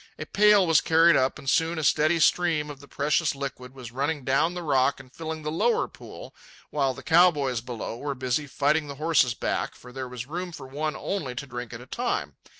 A pail was carried up, and soon a steady stream of the precious liquid was running down the rock and filling the lower pool, while the cow boys below were busy fighting the horses back, for there was room for one only to drink at a time.